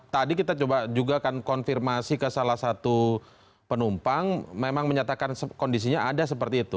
tadi kita coba juga akan konfirmasi ke salah satu penumpang memang menyatakan kondisinya ada seperti itu